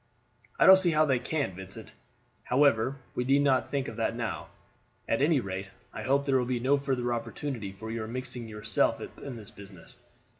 "I don't see how they can, Vincent. However we need not think of that now. At any rate I hope there will be no further opportunity for your mixing yourself up in this business.